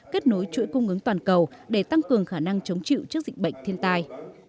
kết nối chuỗi cung ứng toàn cầu để tăng cường khả năng chống chịu trước dịch bệnh thiên tai